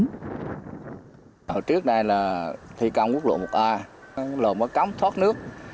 hồi trước đây là thi công quốc lộ một a lộ mới cắm thoát nước